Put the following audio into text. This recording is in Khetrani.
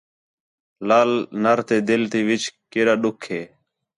لال نَر تے دِل تے وِچ کیݙا ݙُکھ ہے